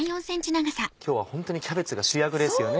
今日はホントにキャベツが主役ですよね。